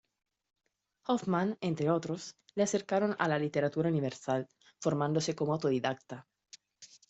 Hoffmann, entre otros, le acercaron a la literatura universal, formándose como autodidacta.